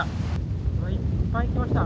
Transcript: いっぱい来ました。